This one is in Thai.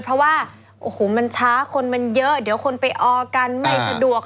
เพราะว่าโอ้โหมันช้าคนมันเยอะเดี๋ยวคนไปออกันไม่สะดวก